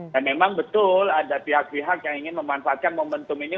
dan memang betul ada pihak pihak yang ingin memanfaatkan momentum ini